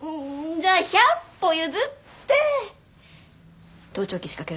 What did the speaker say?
じゃあ百歩譲って盗聴器仕掛けるのは？